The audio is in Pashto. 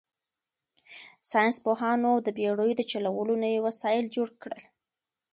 ساینس پوهانو د بېړیو د چلولو نوي وسایل جوړ کړل.